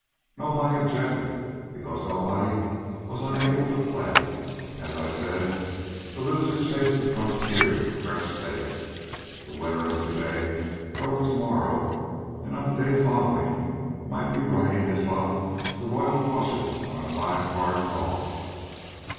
Nobody objected, because nobody was unable to play. As I said, the losers chased the frontier for fresh stakes. The winner of to day, broke to morrow, on the day following might be riding his luck to royal flushes on five card draws.